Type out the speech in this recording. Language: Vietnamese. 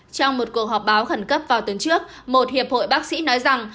trong một cuộc họp báo khẩn cấp vào tuần trước một hiệp hội bác sĩ nói rằng